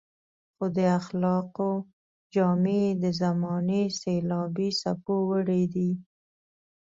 خو د اخلاقو جامې يې د زمانې سېلابي څپو وړي دي.